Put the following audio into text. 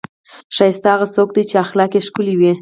ښایسته هغه څوک دی، چې اخلاق یې ښکلي وي.